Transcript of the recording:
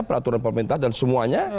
peraturan pemerintah dan semuanya